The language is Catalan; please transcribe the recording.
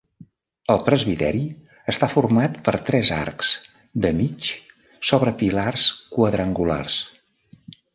El presbiteri està format per tres arcs de mig sobre pilars quadrangulars.